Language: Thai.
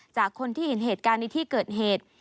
จากคนที่เห็นเหตุการณ์ในที่เกิดเหตุ